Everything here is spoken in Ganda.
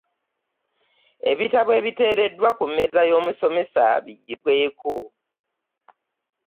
Ebiitabo ebiteereddwa ku mmeeza y'omusomesa bijjibweeko.